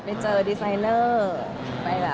ได้เจอดีไซน์เนอร์